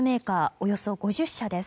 およそ５０社です。